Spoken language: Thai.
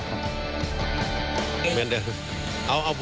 ให้เลยสวัสดียี่แปดไปแล้วครับ